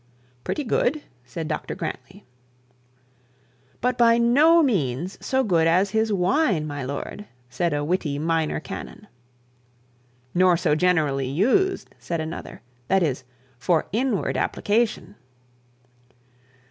'Pretty good,' said the archdeacon. 'But by no means so good as his wine, my lord,' said a witty minor canon. 'Nor so generally used,' said another; 'that is for inward application.'